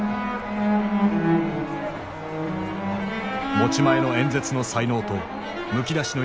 持ち前の演説の才能とむき出しの野心。